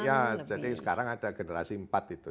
jadi sekarang ada generasi empat itu